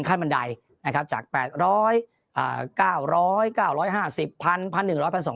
ขั้นบันไดนะครับจาก๘๐๐๙๐๐๙๕๐พันพันหนึ่งร้อยพันสอง